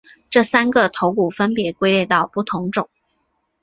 这三个头骨分别归类到不同种。